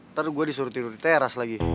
ntar gue disuruh tidur di teras lagi